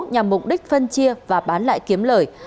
nhằm mục đích phân chia và bán lại kiếm lời